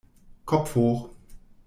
Kopf hoch!